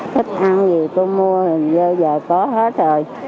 thích ăn gì cô mua thì giờ giờ có hết rồi